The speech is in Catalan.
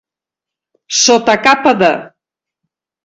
Sota capa de.